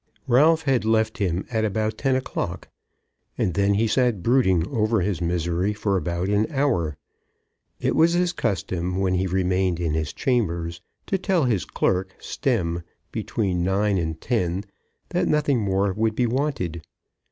Ralph had left him at about ten o'clock, and he then sat brooding over his misery for about an hour. It was his custom when he remained in his chambers to tell his clerk, Stemm, between nine and ten that nothing more would be wanted.